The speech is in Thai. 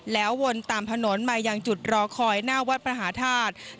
แล้ววนตามถนนมายังจุดรอคอยหน้าวัดพระมหาธาตุ